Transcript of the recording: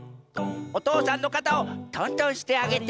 おとうさんのかたをとんとんしてあげて。